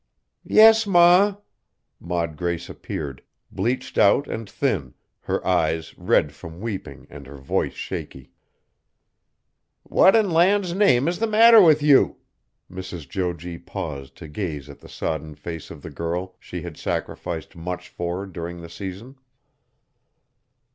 "Yes, Ma!" Maud Grace appeared, bleached out and thin, her eyes red from weeping and her voice shaky. "What in land's name is the matter with you?" Mrs. Jo G. paused to gaze at the sodden face of the girl she had sacrificed much for during the season.